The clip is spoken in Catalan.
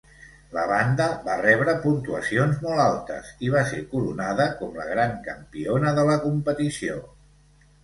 La banda va rebre puntuacions molt altes i va ser coronada com la Gran campiona de la competició.